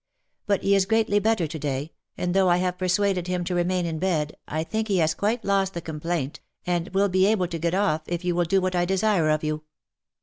But he is greatly better to day, and though I have per suaded him to remain in bed, I think he has quite lost the complaint, and will be able to get off if you will do what I desire of you.